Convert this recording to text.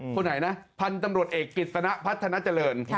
คนไหนนะพันธุ์ตำรวจเอกกิจสนะพัฒนาเจริญ